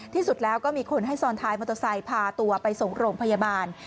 ที่สุดแล้วก็มีคนให้ซ้อนท้ายมอเตอร์ไซค์พาตัวไปส่งโรงพยาบาล